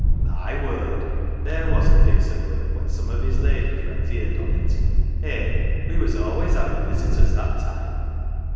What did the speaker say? My word ! there was a piece of work 110 POLITICS when some of his lady friends heerd on it. Eh ! we was always havin' visitors that time